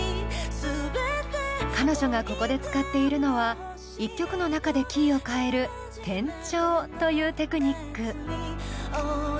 彼女がここで使っているのは１曲の中でキーを変える転調というテクニック。